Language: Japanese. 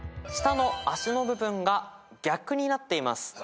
下の足の部分が逆になっています。